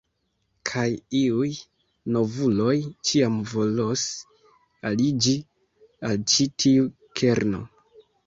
Kaj iuj novuloj ĉiam volos aliĝi al ĉi tiu kerno.